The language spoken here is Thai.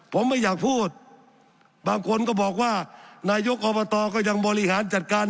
ผมไม่อยากพูดบางคนก็บอกว่านายกอบตก็ยังบริหารจัดการ